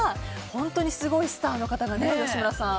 本当にすごいスターの方が吉村さん